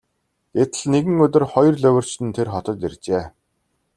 Гэтэл нэгэн өдөр хоёр луйварчин тэр хотод иржээ.